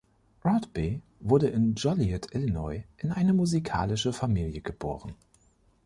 Rodby wurde in Joliet, Illinois, in eine musikalische Familie geboren.